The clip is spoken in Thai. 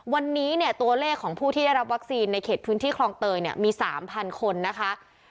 วันนี้เนี่ยตัวเลขของผู้ที่ได้รับวัคซีนในเขตพื้นที่คลองเตยเนี่ยมี๓๐๐คนนะคะ